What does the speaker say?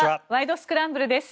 スクランブル」です。